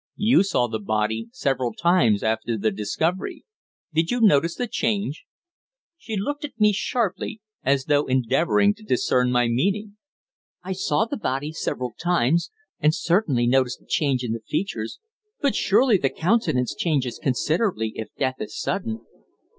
You saw the body several times after the discovery. Did you notice the change?" She looked at me sharply, as though endeavouring to discern my meaning. "I saw the body several times, and certainly noticed a change in the features. But surely the countenance changes considerably if death is sudden?"